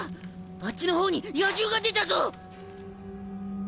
あっちの方に野獣が出たぞ！